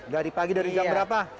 dari pagi dari jam berapa